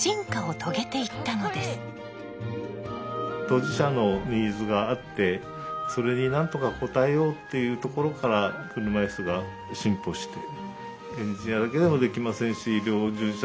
当事者のニーズがあってそれになんとか応えようっていうところから車いすが進歩して。